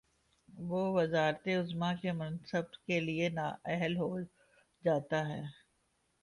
وہ وزارت عظمی کے منصب کے لیے نااہل ہو جا تا ہے۔